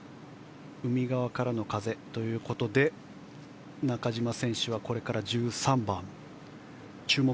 海側からの風ということで中島選手はこれから１３番です。